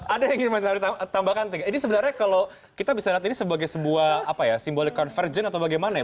ada yang ingin mas tari tambahkan ini sebenarnya kalau kita bisa lihat ini sebagai sebuah simbolik convergent atau bagaimana ya